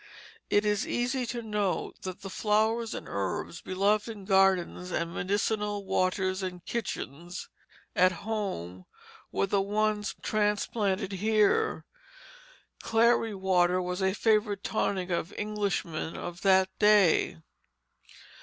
It is easy to note that the flowers and herbs beloved in gardens and medicinal waters and kitchens "at home" were the ones transplanted here. "Clary water" was a favorite tonic of Englishmen of that day.